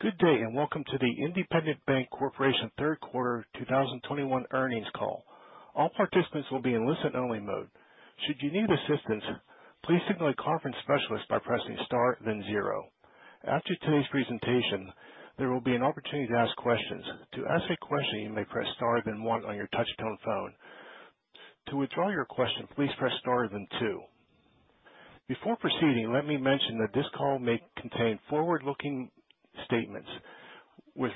Good day. Welcome to the Independent Bank Corp. third quarter 2021 earnings call. All participants will be in listen only mode. Should you need assistance please signal the conference specialist by pressing star then zero. After today's presentation there will be an opportunity to ask questions. To ask a question you may press star and one one on your touch-tone phone. To withdraw your question please press star then two. Before proceeding, let me mention that this call may contain forward-looking statements with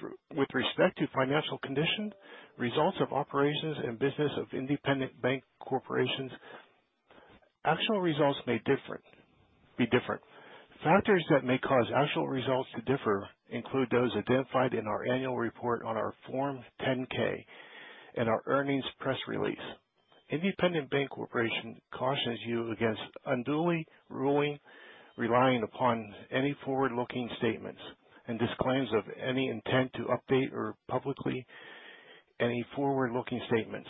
respect to financial condition, results of operations, and business of Independent Bank Corp. Actual results may be different. Factors that may cause actual results to differ include those identified in our annual report on our Form 10-K and our earnings press release. Independent Bank Corp. cautions you against unduly relying upon any forward-looking statements, and disclaims of any intent to update, or publicly, any forward-looking statements,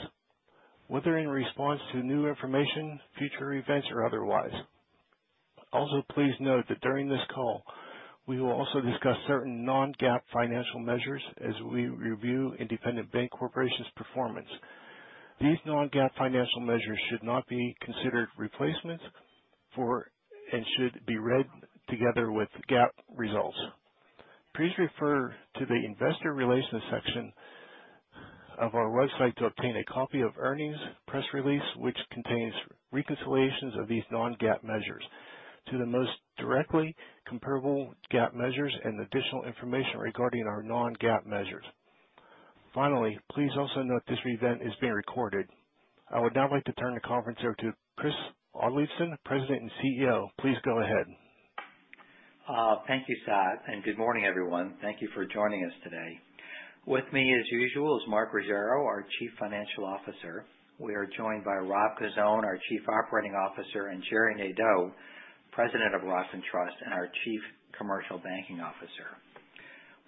whether in response to new information, future events, or otherwise. Please note that during this call, we will also discuss certain non-GAAP financial measures as we review Independent Bank Corp.'s performance. These non-GAAP financial measures should not be considered replacements for, and should be read together with GAAP results. Please refer to the investor relations section of our website to obtain a copy of earnings press release, which contains reconciliations of these non-GAAP measures to the most directly comparable GAAP measures and additional information regarding our non-GAAP measures. Please also note this event is being recorded. I would now like to turn the conference over to Chris Oddleifson, President and CEO. Please go ahead. Thank you, Zod. Good morning, everyone. Thank you for joining us today. With me, as usual, is Mark Ruggiero, our Chief Financial Officer. We are joined by Rob Cozzone, our Chief Operating Officer, and Gerry Nadeau, President of Rockland Trust and our Chief Commercial Banking Officer.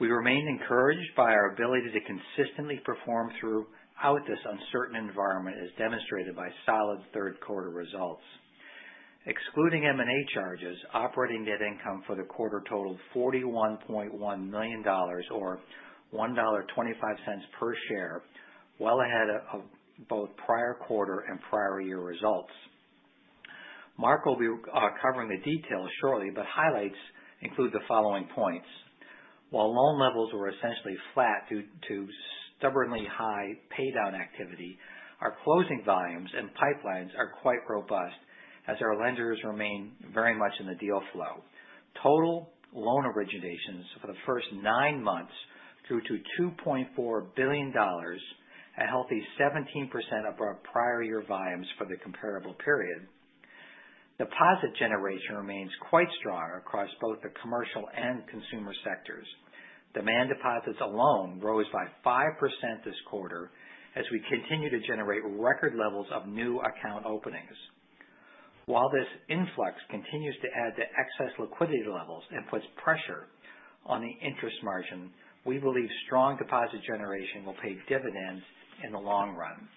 We remain encouraged by our ability to consistently perform throughout this uncertain environment, as demonstrated by solid third quarter results. Excluding M&A charges, operating net income for the quarter totaled $41.1 million, or $1.25 per share, well ahead of both prior quarter and prior year results. Mark will be covering the details shortly. Highlights include the following points. While loan levels were essentially flat due to stubbornly high pay down activity, our closing volumes and pipelines are quite robust as our lenders remain very much in the deal flow. Total loan originations for the first nine months grew to $2.4 billion, a healthy 17% above prior year volumes for the comparable period. Deposit generation remains quite strong across both the commercial and consumer sectors. Demand deposits alone rose by 5% this quarter as we continue to generate record levels of new account openings. While this influx continues to add to excess liquidity levels and puts pressure on the interest margin, we believe strong deposit generation will pay dividends in the long run.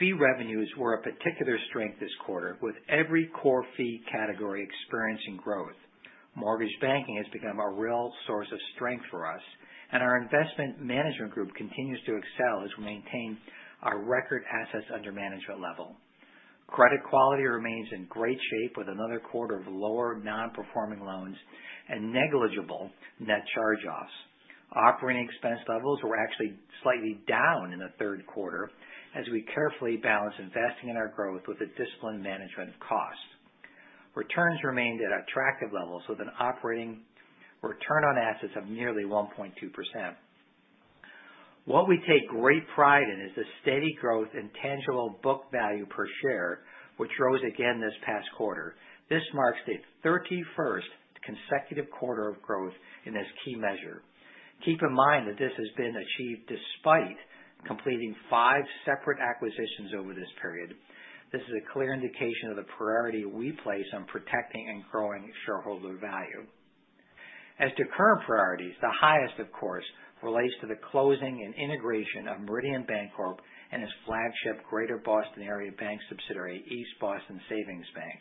Fee revenues were a particular strength this quarter, with every core fee category experiencing growth. Mortgage banking has become a real source of strength for us, and our investment management group continues to excel as we maintain our record assets under management level. Credit quality remains in great shape with another quarter of lower non-performing loans and negligible net charge-offs. Operating expense levels were actually slightly down in the third quarter as we carefully balance investing in our growth with a disciplined management of cost. Returns remained at attractive levels with an operating return on assets of nearly 1.2%. What we take great pride in is the steady growth in tangible book value per share, which rose again this past quarter. This marks the 31st consecutive quarter of growth in this key measure. Keep in mind that this has been achieved despite completing five separate acquisitions over this period. This is a clear indication of the priority we place on protecting and growing shareholder value. As to current priorities, the highest, of course, relates to the closing and integration of Meridian Bancorp and its flagship Greater Boston area bank subsidiary, East Boston Savings Bank.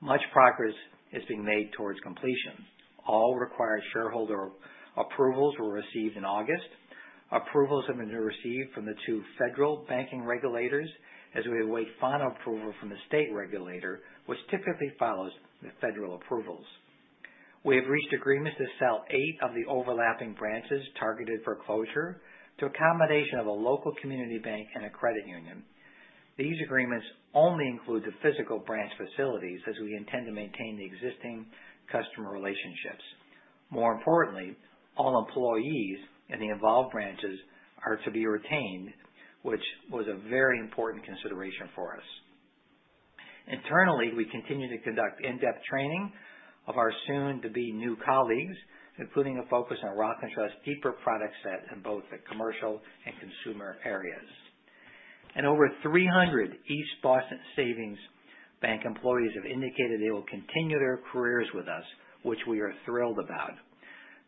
Much progress is being made towards completion. All required shareholder approvals were received in August. Approvals have been received from the two federal banking regulators as we await final approval from the state regulator, which typically follows the federal approvals. We have reached agreements to sell eight of the overlapping branches targeted for closure to accommodation of a local community bank and a credit union. These agreements only include the physical branch facilities as we intend to maintain the existing customer relationships. More importantly, all employees in the involved branches are to be retained, which was a very important consideration for us. Internally, we continue to conduct in-depth training of our soon-to-be new colleagues, including a focus on Rockland Trust's deeper product set in both the commercial and consumer areas. Over 300 East Boston Savings Bank employees have indicated they will continue their careers with us, which we are thrilled about.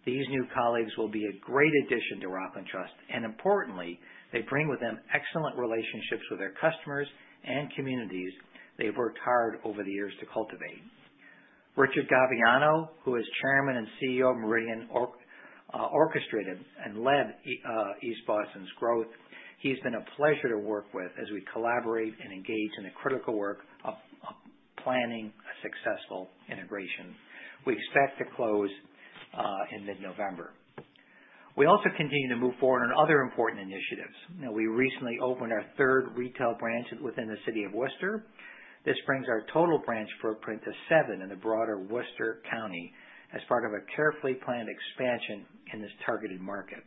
These new colleagues will be a great addition to Rockland Trust, and importantly, they bring with them excellent relationships with their customers and communities they've worked hard over the years to cultivate. Richard Gavegnano, who is Chairman and CEO of Meridian, orchestrated and led East Boston's growth. He's been a pleasure to work with as we collaborate and engage in the critical work of planning a successful integration. We expect to close in mid-November. We also continue to move forward on other important initiatives. We recently opened our third retail branch within the city of Worcester. This brings our total branch footprint to seven in the broader Worcester County as part of a carefully planned expansion in this targeted market.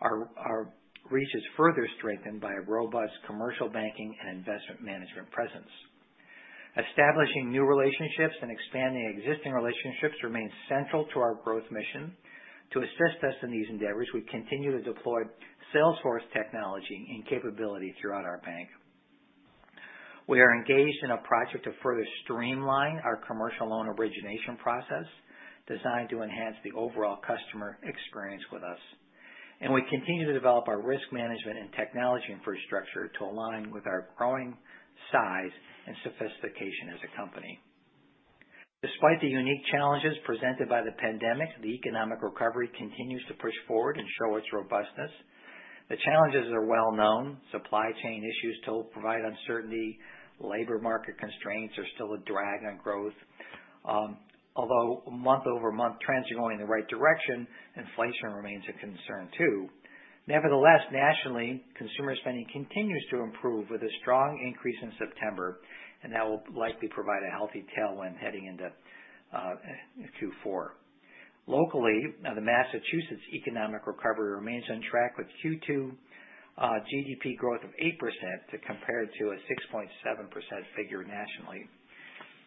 Our reach is further strengthened by a robust commercial banking and investment management presence. Establishing new relationships and expanding existing relationships remains central to our growth mission. To assist us in these endeavors, we continue to deploy Salesforce technology and capability throughout our bank. We are engaged in a project to further streamline our commercial loan origination process, designed to enhance the overall customer experience with us. We continue to develop our risk management and technology infrastructure to align with our growing size and sophistication as a company. Despite the unique challenges presented by the pandemic, the economic recovery continues to push forward and show its robustness. The challenges are well known. Supply chain issues still provide uncertainty. Labor market constraints are still a drag on growth. Although month-over-month trends are going in the right direction, inflation remains a concern too. Nevertheless, nationally, consumer spending continues to improve with a strong increase in September, and that will likely provide a healthy tailwind heading into Q4. Locally, the Massachusetts economic recovery remains on track with Q2 GDP growth of 8% to compare to a 6.7% figure nationally.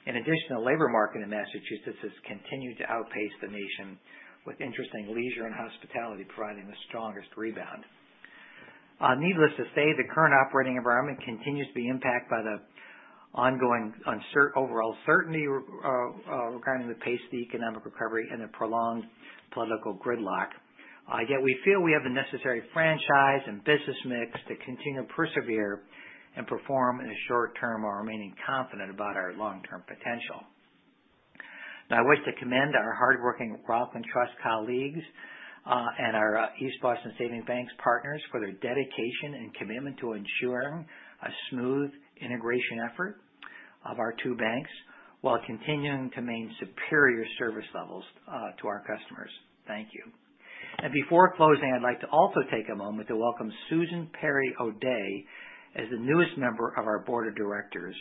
In addition, the labor market in Massachusetts has continued to outpace the nation with interesting leisure and hospitality providing the strongest rebound. Needless to say, the current operating environment continues to be impacted by the ongoing uncertainty regarding the pace of the economic recovery and the prolonged political gridlock. Yet we feel we have the necessary franchise and business mix to continue to persevere and perform in the short term while remaining confident about our long-term potential. Now I wish to commend our hardworking Rockland Trust colleagues, and our East Boston Savings Bank partners for their dedication and commitment to ensuring a smooth integration effort of our two banks while continuing to maintain superior service levels to our customers. Thank you. Before closing, I'd like to also take a moment to welcome Susan Perry O'Day as the newest member of our board of directors.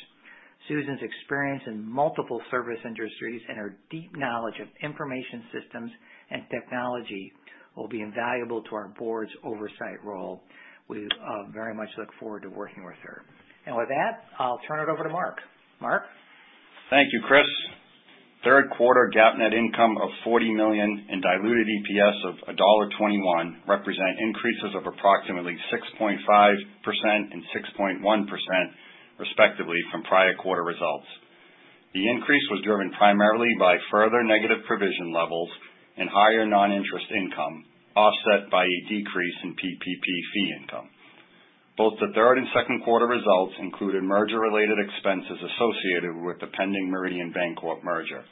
Susan's experience in multiple service industries and her deep knowledge of information systems and technology will be invaluable to our board's oversight role. We very much look forward to working with her. With that, I'll turn it over to Mark. Mark? Thank you, Chris. Third quarter GAAP net income of $40 million and diluted EPS of $1.21 represent increases of approximately 6.5% and 6.1% respectively from prior quarter results. The increase was driven primarily by further negative provision levels and higher non-interest income, offset by a decrease in PPP fee income. Both the third and second quarter results included merger-related expenses associated with the pending Meridian Bancorp merger.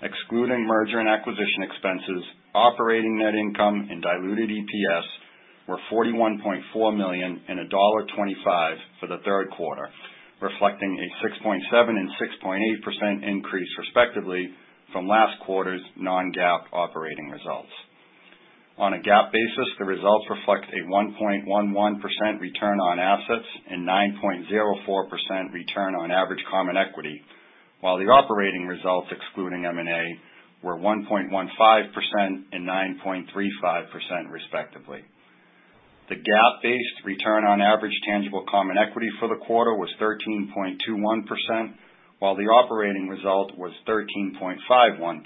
Excluding merger and acquisition expenses, operating net income and diluted EPS were $41.4 million and $1.25 for the third quarter, reflecting a 6.7% and 6.8% increase, respectively, from last quarter's non-GAAP operating results. On a GAAP basis, the results reflect a 1.11% return on assets and 9.04% return on average common equity. While the operating results, excluding M&A, were 1.15% and 9.35%, respectively. The GAAP-based return on average tangible common equity for the quarter was 13.21%, while the operating result was 13.51%,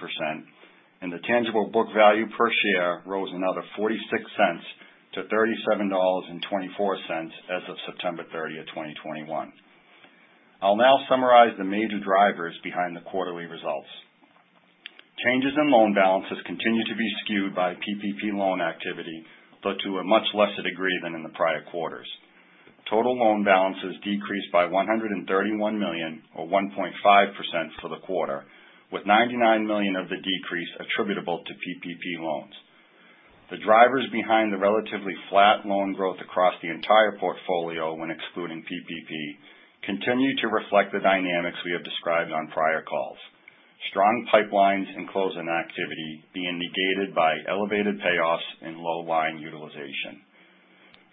and the tangible book value per share rose another $0.46 to $37.24 as of September 30th, 2021. I'll now summarize the major drivers behind the quarterly results. Changes in loan balances continue to be skewed by PPP loan activity, but to a much lesser degree than in the prior quarters. Total loan balances decreased by $131 million or 1.5% for the quarter, with $99 million of the decrease attributable to PPP loans. The drivers behind the relatively flat loan growth across the entire portfolio when excluding PPP continue to reflect the dynamics we have described on prior calls. Strong pipelines and closing activity being negated by elevated payoffs and low line utilization.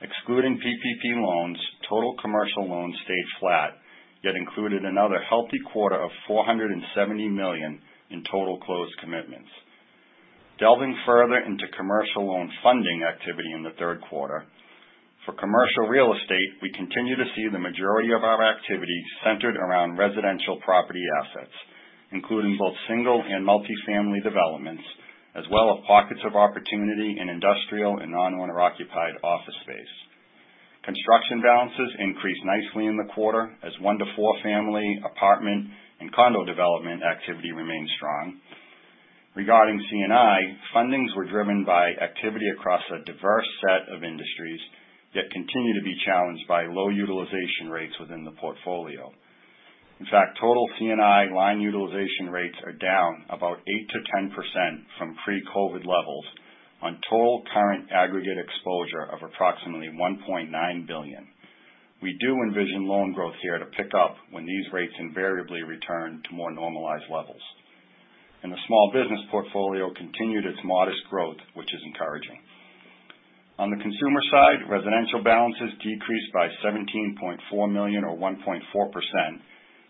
Excluding PPP loans, total commercial loans stayed flat, yet included another healthy quarter of $470 million in total closed commitments. Delving further into commercial loan funding activity in the third quarter. For commercial real estate, we continue to see the majority of our activity centered around residential property assets, including both single and multi-family developments, as well as pockets of opportunity in industrial and non-owner occupied office space. Construction balances increased nicely in the quarter as one to four family apartment and condo development activity remained strong. Regarding C&I, fundings were driven by activity across a diverse set of industries, yet continue to be challenged by low utilization rates within the portfolio. In fact, total C&I line utilization rates are down about 8%-10% from pre-COVID levels on total current aggregate exposure of approximately $1.9 billion. We do envision loan growth here to pick up when these rates invariably return to more normalized levels. The small business portfolio continued its modest growth, which is encouraging. On the consumer side, residential balances decreased by $17.4 million or 1.4%,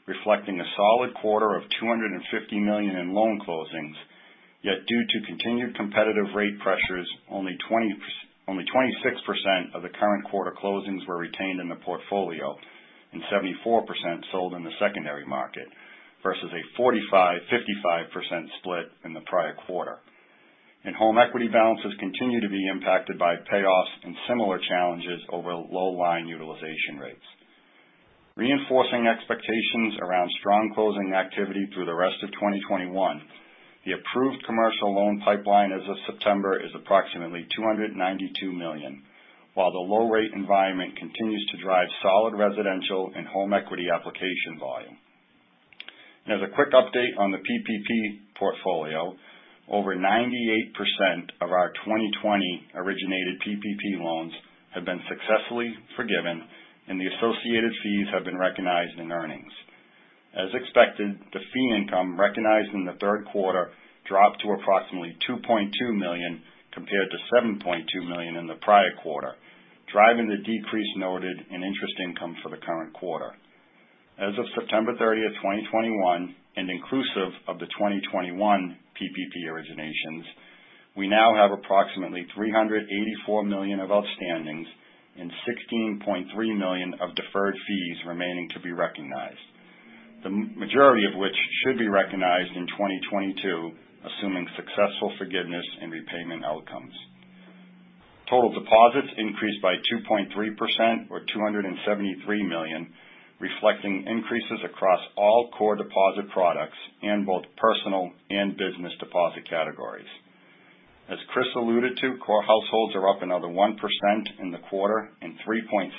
reflecting a solid quarter of $250 million in loan closings. Yet, due to continued competitive rate pressures, only 26% of the current quarter closings were retained in the portfolio, and 74% sold in the secondary market, versus a 45%-55% split in the prior quarter. Home equity balances continue to be impacted by payoffs and similar challenges over low line utilization rates. Reinforcing expectations around strong closing activity through the rest of 2021, the approved commercial loan pipeline as of September is approximately $292 million, while the low rate environment continues to drive solid residential and home equity application volume. Now as a quick update on the PPP portfolio. Over 98% of our 2020 originated PPP loans have been successfully forgiven, and the associated fees have been recognized in earnings. As expected, the fee income recognized in the third quarter dropped to approximately $2.2 million compared to $7.2 million in the prior quarter, driving the decrease noted in interest income for the current quarter. As of September 30th, 2021, and inclusive of the 2021 PPP originations, we now have approximately $384 million of outstandings and $16.3 million of deferred fees remaining to be recognized. The majority of which should be recognized in 2022, assuming successful forgiveness and repayment outcomes. Total deposits increased by 2.3% or $273 million, reflecting increases across all core deposit products in both personal and business deposit categories. As Chris alluded to, core households are up another 1% in the quarter and 3.6%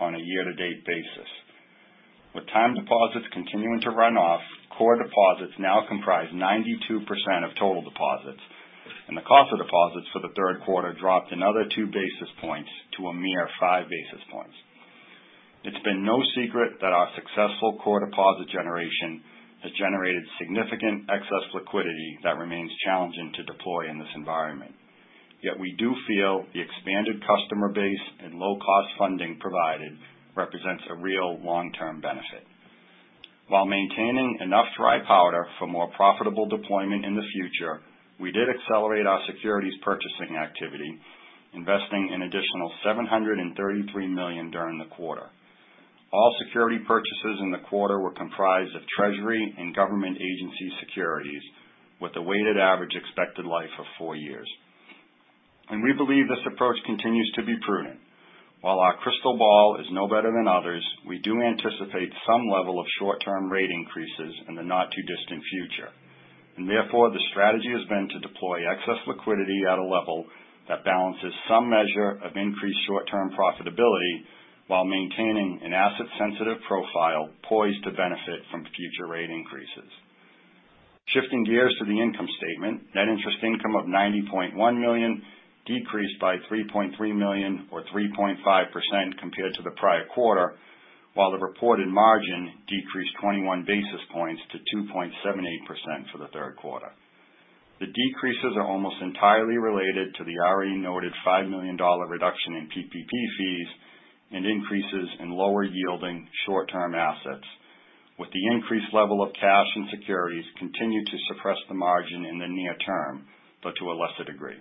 on a year-to-date basis. With time deposits continuing to run off, core deposits now comprise 92% of total deposits, and the cost of deposits for the third quarter dropped another two basis points to a mere five basis points. It's been no secret that our successful core deposit generation has generated significant excess liquidity that remains challenging to deploy in this environment. We do feel the expanded customer base and low-cost funding provided represents a real long-term benefit. While maintaining enough dry powder for more profitable deployment in the future, we did accelerate our securities purchasing activity, investing an additional $733 million during the quarter. All security purchases in the quarter were comprised of treasury and government agency securities with a weighted average expected life of four years. We believe this approach continues to be prudent. While our crystal ball is no better than others, we do anticipate some level of short-term rate increases in the not too distant future. Therefore, the strategy has been to deploy excess liquidity at a level that balances some measure of increased short-term profitability while maintaining an asset sensitive profile poised to benefit from future rate increases. Shifting gears to the income statement. Net interest income of $90.1 million decreased by $3.3 million or 3.5% compared to the prior quarter, while the reported margin decreased 21 basis points to 2.78% for the third quarter. The decreases are almost entirely related to the already noted $5 million reduction in PPP fees and increases in lower yielding short-term assets. With the increased level of cash and securities continue to suppress the margin in the near term, but to a lesser degree.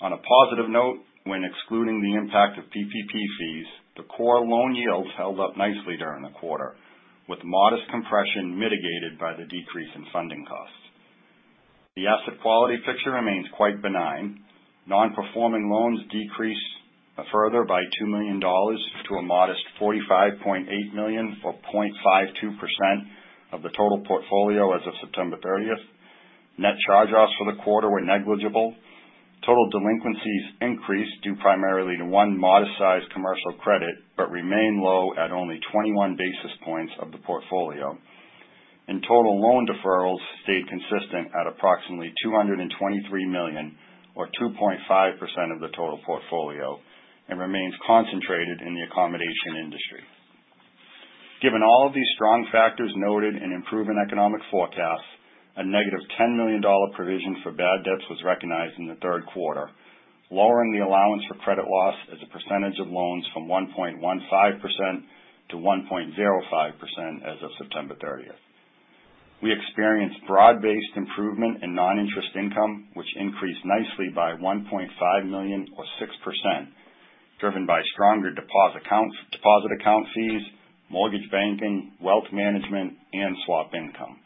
On a positive note, when excluding the impact of PPP fees, the core loan yields held up nicely during the quarter, with modest compression mitigated by the decrease in funding costs. The asset quality picture remains quite benign. Non-performing loans decreased further by $2 million to a modest $45.8 million, or 0.52% of the total portfolio as of September 30th. Net charge-offs for the quarter were negligible. Total delinquencies increased, due primarily to one modest size commercial credit, but remain low at only 21 basis points of the portfolio. Total loan deferrals stayed consistent at approximately $223 million or 2.5% of the total portfolio and remains concentrated in the accommodation industry. Given all of these strong factors noted in improving economic forecasts, a -$10 million provision for bad debts was recognized in the third quarter, lowering the allowance for credit loss as a percentage of loans from 1.15% to 1.05% as of September 30th. We experienced broad-based improvement in non-interest income, which increased nicely by $1.5 million or 6%, driven by stronger deposit account fees, mortgage banking, wealth management, and swap income.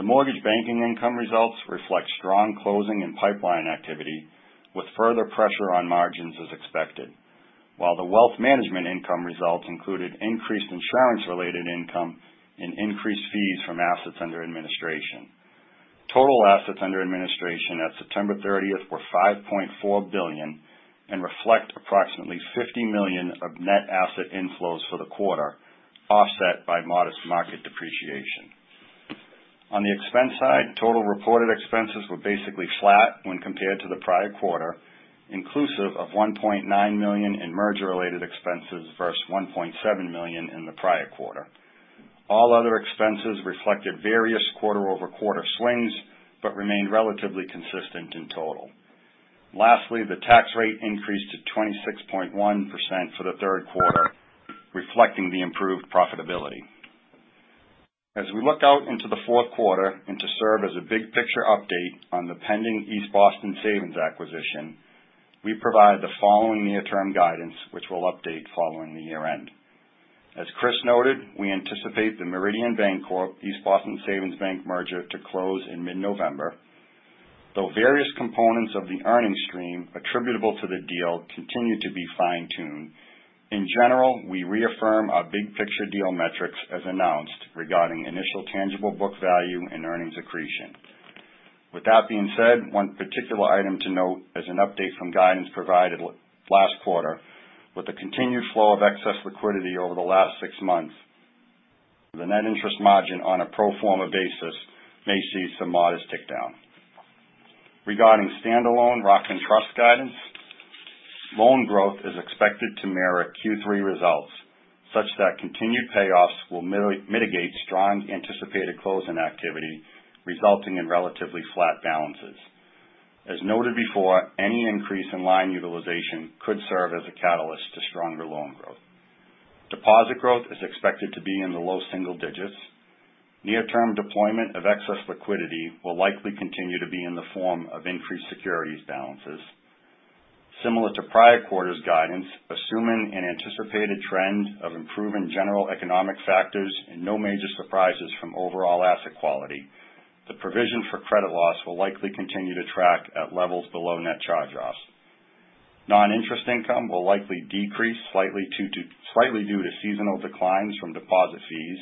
The mortgage banking income results reflect strong closing and pipeline activity with further pressure on margins as expected. While the wealth management income results included increased insurance related income and increased fees from assets under administration. Total assets under administration at September 30th were $5.4 billion and reflect approximately $50 million of net asset inflows for the quarter, offset by modest market depreciation. On the expense side, total reported expenses were basically flat when compared to the prior quarter, inclusive of $1.9 million in merger related expenses versus $1.7 million in the prior quarter. All other expenses reflected various quarter-over-quarter swings, but remained relatively consistent in total. Lastly, the tax rate increased to 26.1% for the third quarter, reflecting the improved profitability. As we look out into the fourth quarter and to serve as a big picture update on the pending East Boston Savings acquisition, we provide the following near-term guidance, which we'll update following the year end. As Chris noted, we anticipate the Meridian Bancorp, Inc. East Boston Savings Bank merger to close in mid-November. Though various components of the earnings stream attributable to the deal continue to be fine-tuned, in general, we reaffirm our big picture deal metrics as announced regarding initial tangible book value and earnings accretion. With that being said, one particular item to note as an update from guidance provided last quarter. With the continued flow of excess liquidity over the last six months, the net interest margin on a pro forma basis may see some modest tick down. Regarding standalone Rockland Trust guidance, loan growth is expected to mirror Q3 results, such that continued payoffs will mitigate strong anticipated closing activity, resulting in relatively flat balances. As noted before, any increase in line utilization could serve as a catalyst to stronger loan growth. Deposit growth is expected to be in the low single digits. Near term deployment of excess liquidity will likely continue to be in the form of increased securities balances. Similar to prior quarters guidance, assuming an anticipated trend of improving general economic factors and no major surprises from overall asset quality, the provision for credit loss will likely continue to track at levels below net charge-offs. Non-interest income will likely decrease slightly due to seasonal declines from deposit fees,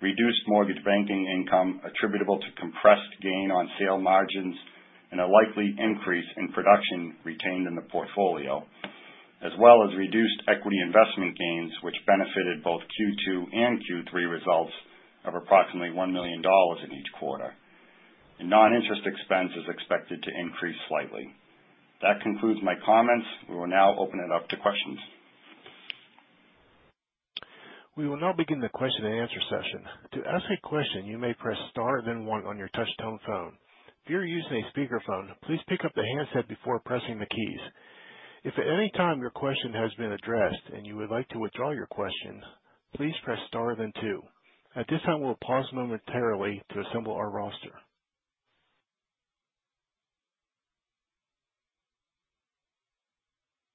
reduced mortgage banking income attributable to compressed gain on sale margins, and a likely increase in production retained in the portfolio, as well as reduced equity investment gains, which benefited both Q2 and Q3 results of approximately $1 million in each quarter. Non-interest expense is expected to increase slightly. That concludes my comments. We will now open it up to questions. We will now begin the question-and-answer session. To ask a question, you may press star then one on your touch tone phone. If you're using a speakerphone, please pick up the handset before pressing the keys. If at any time your question has been addressed and you would like to withdraw your question, please press star then two. At this time, we'll pause momentarily to assemble our roster.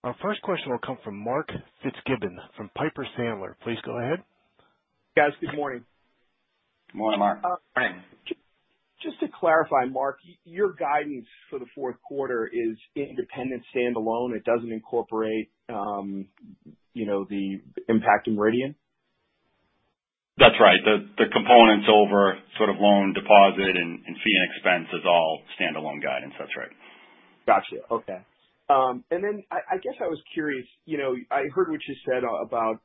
Our first question will come from Mark Fitzgibbon from Piper Sandler. Please go ahead. Guys, good morning. Good morning, Mark. Morning. Just to clarify, Mark, your guidance for the fourth quarter is independent standalone. It doesn't incorporate the impact of Meridian? That's right. The components over loan deposit and fee and expense is all standalone guidance. That's right. Got you. Okay. I guess I was curious, I heard what you said about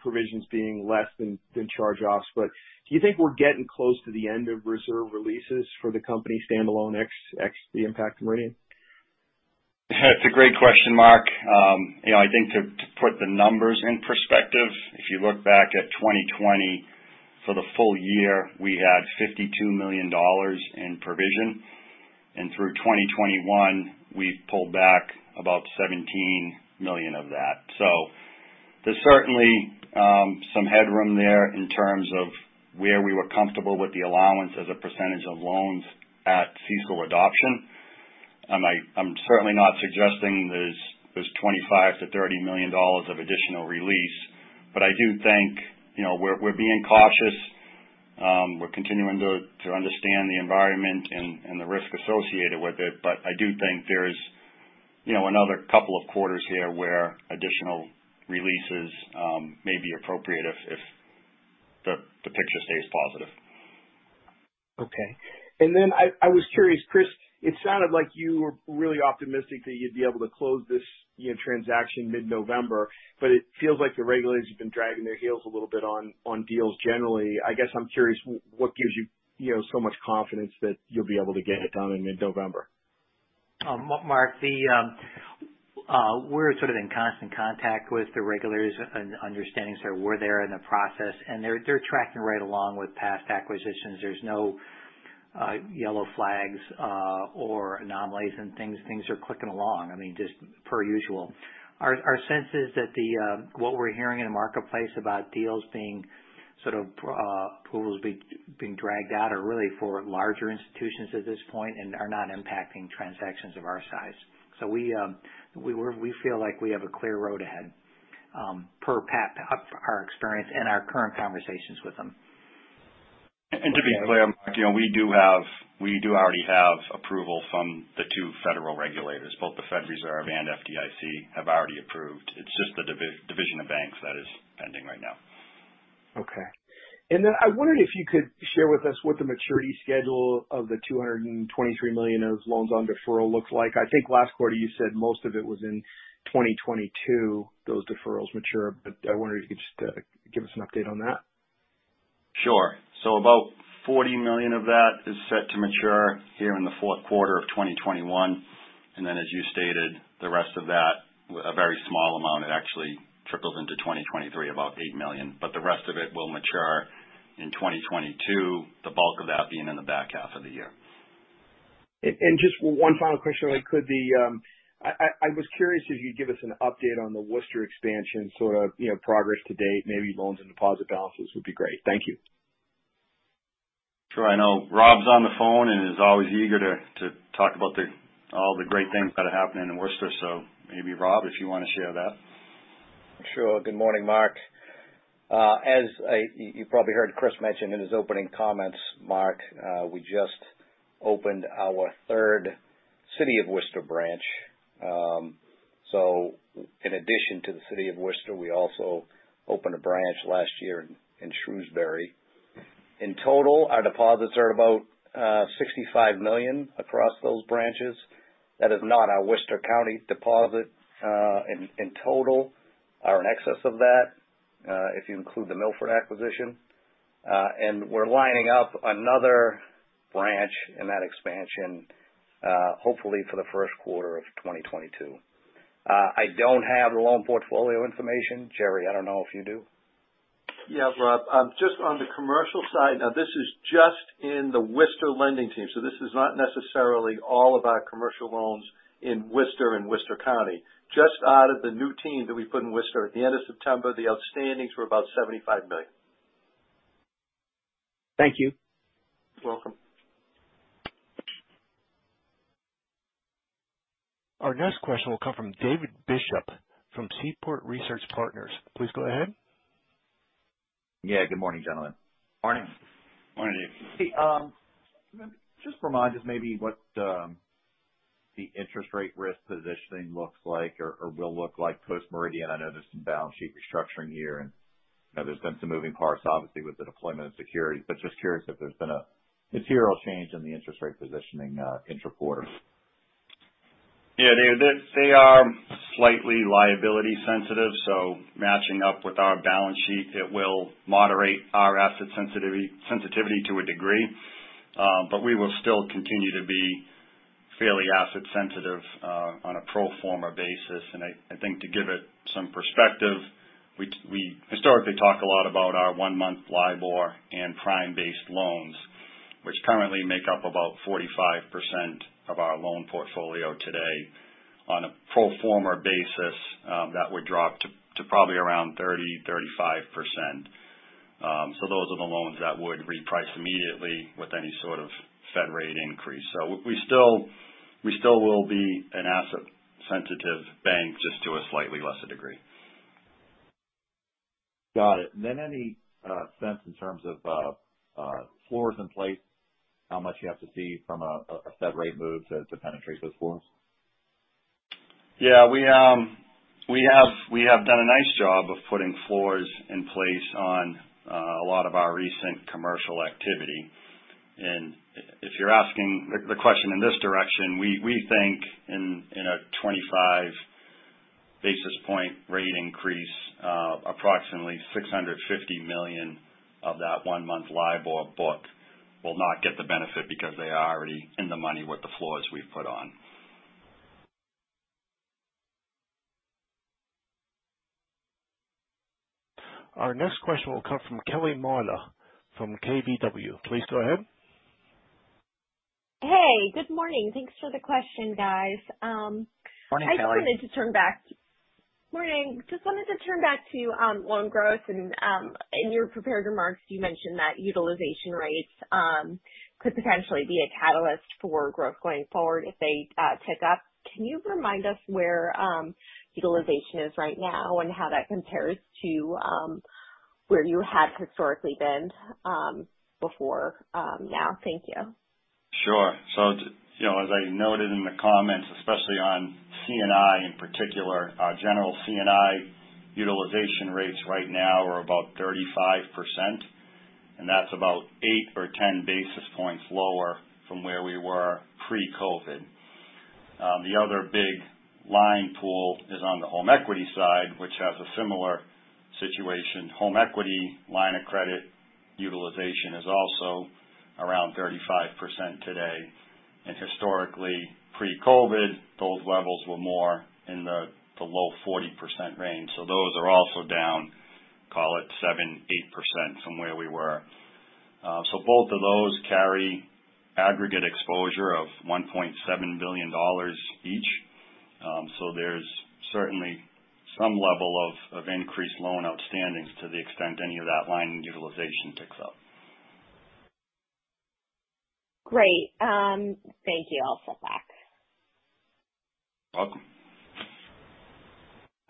provisions being less than charge-offs, but do you think we're getting close to the end of reserve releases for the company standalone x the impact of Meridian? That's a great question, Mark. I think to put the numbers in perspective, if you look back at 2020 for the full year, we had $52 million in provision. Through 2021, we pulled back about $17 million of that. There's certainly some headroom there in terms of where we were comfortable with the allowance as a percentage of loans at CECL adoption. I'm certainly not suggesting there's $25 million-$30 million of additional release. I do think we're being cautious. We're continuing to understand the environment and the risk associated with it. I do think there's another couple of quarters here where additional releases may be appropriate if the picture stays positive. Okay. I was curious, Chris, it sounded like you were really optimistic that you'd be able to close this transaction mid-November, but it feels like the regulators have been dragging their heels a little bit on deals generally. I guess I'm curious, what gives you so much confidence that you'll be able to get it done in mid-November? Mark, we're sort of in constant contact with the regulators and understanding sort of where they're in the process, and they're tracking right along with past acquisitions. There's no yellow flags or anomalies and things. Things are clicking along, just per usual. Our sense is that what we're hearing in the marketplace about deals being sort of approvals being dragged out are really for larger institutions at this point and are not impacting transactions of our size. We feel like we have a clear road ahead. Per our experience and our current conversations with them. To be clear, Mark, we do already have approval from the two federal regulators. Both the Federal Reserve and FDIC have already approved. It's just the Division of Banks that is pending right now. Okay. I wondered if you could share with us what the maturity schedule of the $223 million of loans on deferral looks like. I think last quarter you said most of it was in 2022, those deferrals mature. I wondered if you could just give us an update on that. Sure. About $40 million of that is set to mature here in the fourth quarter of 2021. As you stated, the rest of that, a very small amount, it actually trickles into 2023, about $8 million. The rest of it will mature in 2022, the bulk of that being in the back half of the year. Just one final question, if I could. I was curious if you'd give us an update on the Worcester expansion sort of progress to date, maybe loans and deposit balances would be great. Thank you. Sure. I know Rob's on the phone and is always eager to talk about all the great things that are happening in Worcester. Maybe Rob, if you want to share that. Sure. Good morning, Mark. As you probably heard Chris mention in his opening comments, Mark, we just opened our third City of Worcester branch. In addition to the City of Worcester, we also opened a branch last year in Shrewsbury. In total, our deposits are about $65 million across those branches. That is not our Worcester County deposit. In total are in excess of that, if you include the Milford acquisition. We're lining up another branch in that expansion hopefully for the first quarter of 2022. I don't have the loan portfolio information. Gerry, I don't know if you do. Yeah, Rob. Just on the commercial side. This is just in the Worcester lending team, this is not necessarily all of our commercial loans in Worcester and Worcester County. Just out of the new team that we put in Worcester at the end of September, the outstandings were about $75 million. Thank you. You're welcome. Our next question will come from David Bishop from Seaport Research Partners. Please go ahead. Yeah. Good morning, gentlemen. Morning. Morning, David. Hey. Just remind us maybe what the interest rate risk positioning looks like or will look like post Meridian? I know there's some balance sheet restructuring here and there's been some moving parts obviously with the deployment of securities. Just curious if there's been a material change in the interest rate positioning intra quarter? Yeah, Dave. They are slightly liability sensitive, matching up with our balance sheet, it will moderate our asset sensitivity to a degree. We will still continue to be fairly asset sensitive on a pro forma basis. I think to give it some perspective, we historically talk a lot about our one-month LIBOR and prime based loans, which currently make up about 45% of our loan portfolio today. On a pro forma basis, that would drop to probably around 30%-35%. Those are the loans that would reprice immediately with any sort of Fed rate increase. We still will be an asset sensitive bank, just to a slightly lesser degree. Got it. Any sense in terms of floors in place, how much you have to see from a Fed rate move to penetrate those floors? Yeah. We have done a nice job of putting floors in place on a lot of our recent commercial activity. If you're asking the question in this direction, we think in a 25 basis point rate increase, approximately $650 million of that one month LIBOR book will not get the benefit because they are already in the money with the floors we've put on. Our next question will come from Kelly Motta from KBW. Please go ahead. Hey, good morning. Thanks for the question, guys. Morning, Kelly. Morning. Just wanted to turn back to loan growth. In your prepared remarks, you mentioned that utilization rates could potentially be a catalyst for growth going forward if they tick up. Can you remind us where utilization is right now and how that compares to where you had historically been before now? Thank you. Sure. As I noted in the comments, especially on C&I in particular, general C&I utilization rates right now are about 35%, and that's about 8 basis points or 10 basis points lower from where we were pre-COVID. The other big line pool is on the home equity side, which has a similar situation. Home equity line of credit utilization is also around 35% today, and historically pre-COVID, those levels were more in the low 40% range. Those are also down, call it 7%, 8% from where we were. Both of those carry aggregate exposure of $1.7 billion each. There's certainly some level of increased loan outstandings to the extent any of that line utilization ticks up. Great. Thank you. I'll step back. Welcome.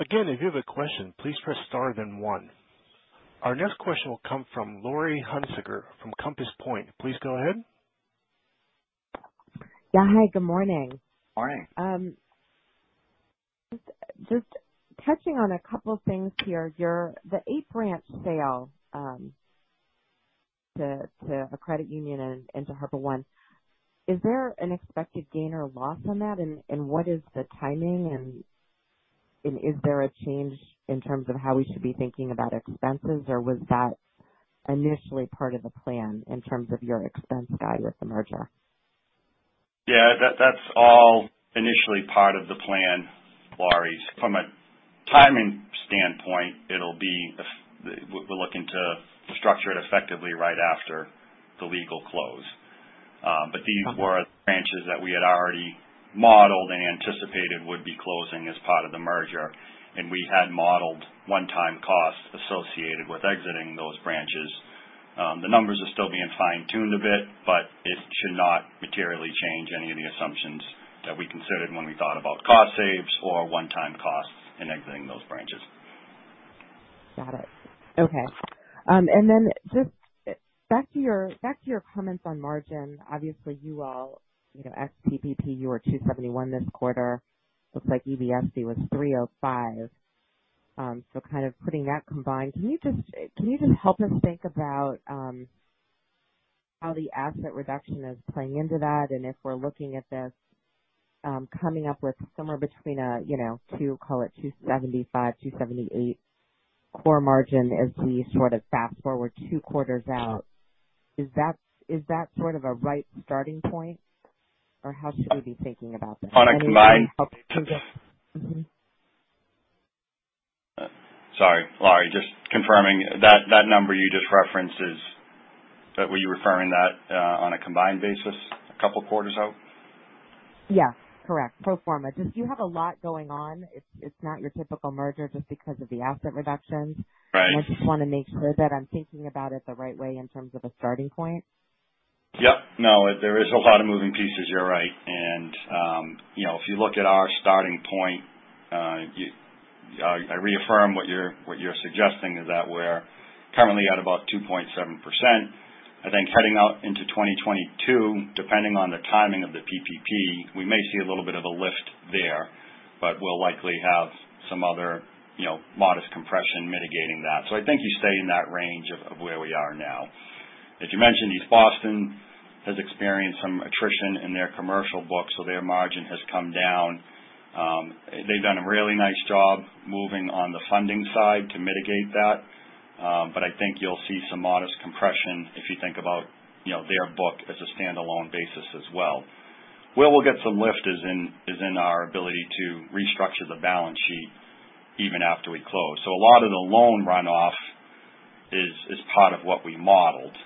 Again, if you have a question, please press star then one. Our next question will come from Laurie Hunsicker from Compass Point. Please go ahead. Yeah. Hi, good morning. Morning. Just touching on a couple of things here. The eight-branch sale to a credit union and to HarborOne, is there an expected gain or loss on that? What is the timing? Is there a change in terms of how we should be thinking about expenses, or was that initially part of the plan in terms of your expense guide with the merger? Yeah, that's all initially part of the plan, Laurie. From a timing standpoint, we're looking to structure it effectively right after the legal close. These were branches that we had already modeled and anticipated would be closing as part of the merger, and we had modeled one-time costs associated with exiting those branches. The numbers are still being fine-tuned a bit, but it should not materially change any of the assumptions that we considered when we thought about cost saves or one-time costs in exiting those branches. Got it. Okay. Then just back to your comments on margin. Obviously, you all, ex-PPP, you were 2.71 this quarter. Looks like EBSB was 3.05. Kind of putting that combined, can you just help us think about how the asset reduction is playing into that? If we're looking at this coming up with somewhere between a two, call it 2.75-2.78 core margin as we sort of fast-forward two quarters out. Is that sort of a right starting point? How should we be thinking about this? On a combined- Sorry, Laurie, just confirming that number you just referenced, were you referring that on a combined basis a couple quarters out? Yeah. Correct. Pro forma. Just you have a lot going on. It's not your typical merger just because of the asset reductions. Right. I just want to make sure that I'm thinking about it the right way in terms of a starting point. Yep. No, there is a lot of moving pieces. You're right. If you look at our starting point, I reaffirm what you're suggesting is that we're currently at about 2.7%. I think heading out into 2022, depending on the timing of the PPP, we may see a little bit of a lift there, but we'll likely have some other modest compression mitigating that. I think you stay in that range of where we are now. As you mentioned, East Boston has experienced some attrition in their commercial books, so their margin has come down. They've done a really nice job moving on the funding side to mitigate that. I think you'll see some modest compression if you think about their book as a standalone basis as well. Where we'll get some lift is in our ability to restructure the balance sheet even after we close. A lot of the loan runoff is part of what we modeled.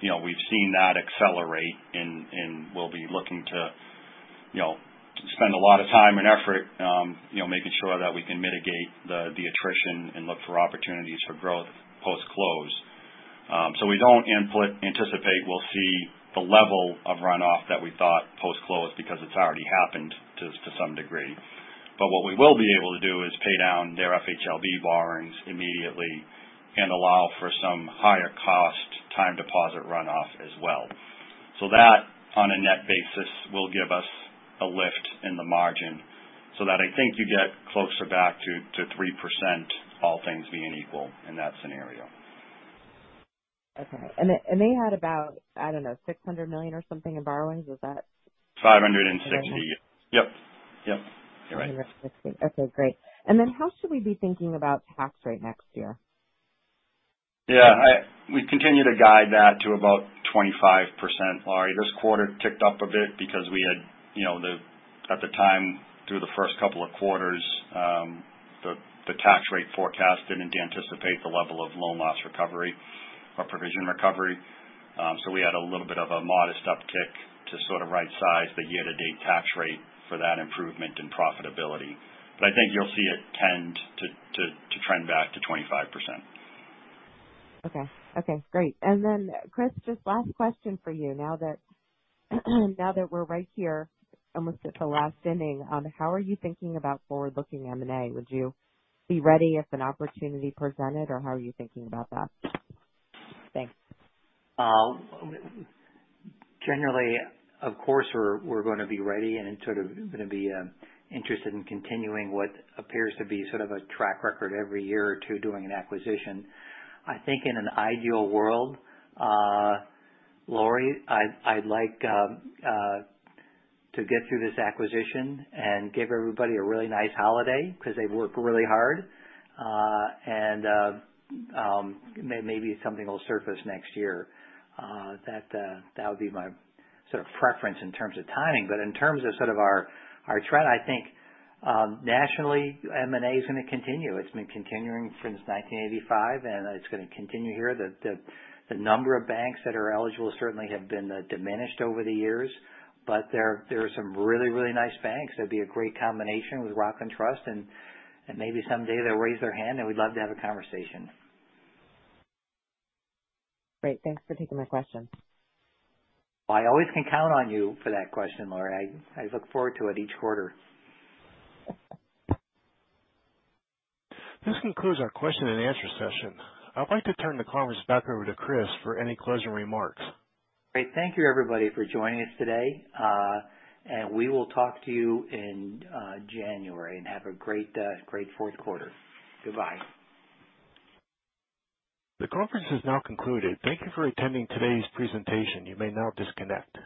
We've seen that accelerate and we'll be looking to spend a lot of time and effort making sure that we can mitigate the attrition and look for opportunities for growth post-close. We don't anticipate we'll see the level of runoff that we thought post-close because it's already happened to some degree. What we will be able to do is pay down their FHLB borrowings immediately and allow for some higher cost time deposit runoff as well. That, on a net basis, will give us a lift in the margin so that I think you get closer back to 3%, all things being equal in that scenario. Okay. They had about, I don't know, $600 million or something in borrowings. Is that? 560. Yep. You're right. Okay, great. How should we be thinking about tax rate next year? Yeah. We continue to guide that to about 25%, Laurie. This quarter ticked up a bit because we had at the time, through the first couple of quarters, the tax rate forecast didn't anticipate the level of loan loss recovery or provision recovery. We had a little bit of a modest uptick to sort of right-size the year-to-date tax rate for that improvement in profitability. I think you'll see it tend to trend back to 25%. Okay. Great. Then Chris, just last question for you. Now that we're right here almost at the last inning, how are you thinking about forward-looking M&A? Would you be ready if an opportunity presented, or how are you thinking about that? Thanks. Generally, of course, we're going to be ready and sort of going to be interested in continuing what appears to be sort of a track record every year or two, doing an acquisition. I think in an ideal world, Laurie, I'd like to get through this acquisition and give everybody a really nice holiday because they've worked really hard. Maybe something will surface next year. That would be my sort of preference in terms of timing. In terms of sort of our trend, I think nationally, M&A is going to continue. It's been continuing since 1985, and it's going to continue here. The number of banks that are eligible certainly have been diminished over the years, but there are some really, really nice banks that'd be a great combination with Rockland Trust, and maybe someday they'll raise their hand, and we'd love to have a conversation. Great. Thanks for taking my question. I always can count on you for that question, Laurie. I look forward to it each quarter. This concludes our question-and-answer session. I'd like to turn the conference back over to Chris for any closing remarks. Great. Thank you, everybody, for joining us today. We will talk to you in January. Have a great fourth quarter. Goodbye. The conference is now concluded. Thank you for attending today's presentation. You may now disconnect.